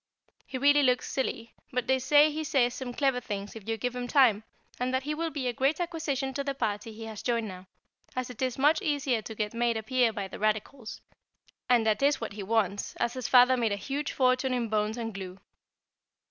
He really looks silly, but they say he says some clever things if you give him time, and that he will be a great acquisition to the party he has joined now, as it is much easier to get made a peer by the Radicals; and that is what he wants, as his father made a huge fortune in bones and glue.